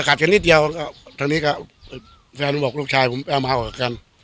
มันก็กัดกันนิดเดียวถังนี้ก็แฟนผมบอกครูลูกชายคุณไปเอาหมาอกกัน